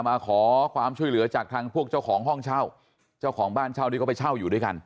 มาขอความช่วยเหลือจากทางพวกเจ้าของห้องเช่าเจ้าของบ้านเช่านี้ก็ไปเช่าอยู่ด้วยกัน